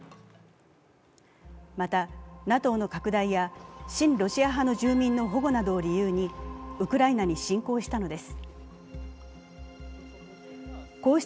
また、ＮＡＴＯの拡大や親ロシア派の住民の保護などを理由にウクライナに侵攻したのです。